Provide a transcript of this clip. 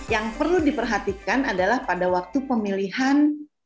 yang perlu diperhatikan adalah pada waktu pemilihan